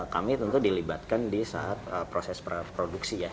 kami tentu dilibatkan di saat proses produksi ya